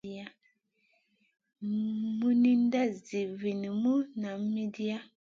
Mununda vih zinimu nam midia.